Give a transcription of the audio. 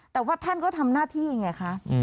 แต่ว่าท่านก็ทำหน้าที่ไงคะ